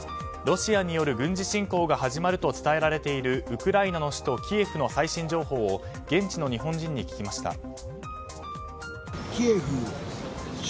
ロシアによる軍事侵攻が始まると伝えられているウクライナの首都キエフの最新情報を現地の日本人に聞きました。